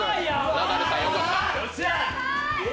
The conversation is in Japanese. ナダルさん、よかった。